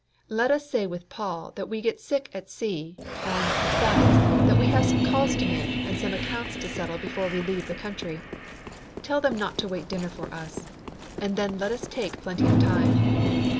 Let us say with Paul that we get sick at sea; and, besides, that we have some calls to make and some small accounts to settle before we leave the country. Tell them not to wait dinner for us. And then let us take plenty of time.